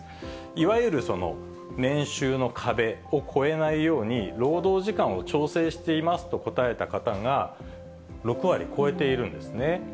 いわゆる年収の壁を超えないように、労働時間を調整していますと答えた方が６割超えているんですね。